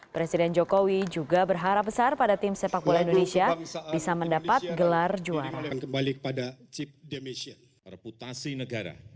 presiden jokowi juga berharap besar pada tim sepak bola indonesia bisa mendapat gelar juara